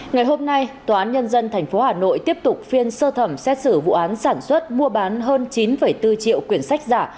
ngày hôm nay tòa án nhân dân tp hà nội tiếp tục phiên sơ thẩm xét xử vụ án sản xuất mua bán hơn chín bốn triệu quyển sách giả